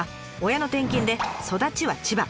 親の転勤で育ちは千葉。